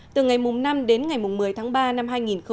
từ ngày năm đến ngày một mươi tháng ba năm hai nghìn một mươi bảy